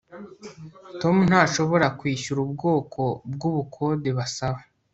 Tom ntashobora kwishyura ubwoko bwubukode basaba